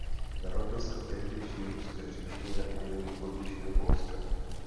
Narodil se v tehdejší Ruské říši na území pozdějšího Polska.